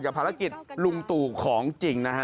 ภารกิจลุงตู่ของจริงนะฮะ